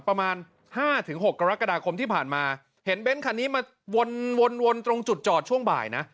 ประมาณห้าถึงหกกรกฎาคมที่ผ่านมาเห็นเบ้นคันนี้มาวนวนตรงจุดจอดช่วงบ่ายนะ